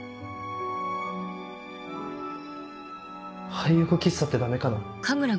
廃屋喫茶ってダメかな？